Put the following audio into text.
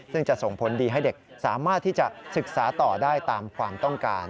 ซึ่งจะส่งผลดีให้เด็กสามารถที่จะศึกษาต่อได้ตามความต้องการ